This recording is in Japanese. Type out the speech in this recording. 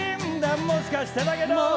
もしかしてだけど。